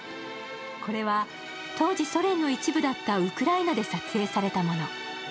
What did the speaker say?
これは、当時ソ連の一部だったウクライナで撮影されたもの。